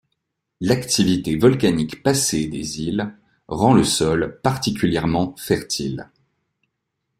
L'activité volcanique passée des îles rend le sol particulièrement fertile.